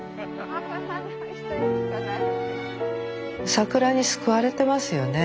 桜に救われてますよね。